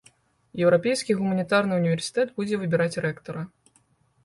Еўрапейскі гуманітарны ўніверсітэт будзе выбіраць рэктара.